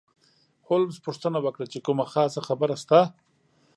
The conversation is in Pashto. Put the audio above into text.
هولمز پوښتنه وکړه چې کومه خاصه خبره شته.